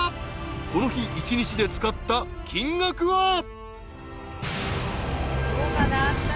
［この日１日で使った金額は］